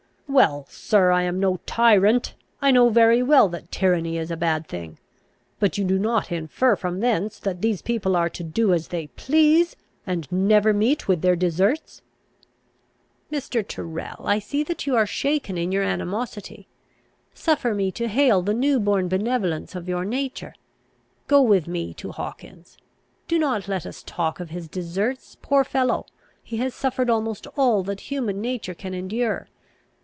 "Well, sir, I am no tyrant. I know very well that tyranny is a bad thing. But you do not infer from thence that these people are to do as they please, and never meet with their deserts?" "Mr. Tyrrel, I see that you are shaken in your animosity. Suffer me to hail the new born benevolence of your nature. Go with me to Hawkins. Do not let us talk of his deserts! Poor fellow! he has suffered almost all that human nature can endure.